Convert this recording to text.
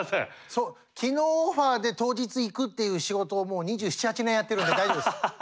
そう昨日オファーで当日行くっていう仕事をもう２７２８年やってるんで大丈夫です。